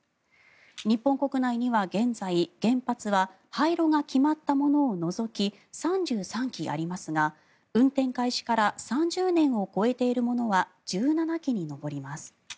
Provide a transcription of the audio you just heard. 日本国内には現在、原発は廃炉が決まったものを除き３３基ありますが、運転開始から３０年を超えているものは１７基に上ります。